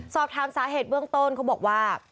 สอบถามสาเหตุเบื้องต้นเขาบอกว่า